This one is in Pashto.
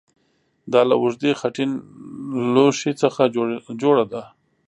دا له اوږدې خټین لوښي څخه جوړه ده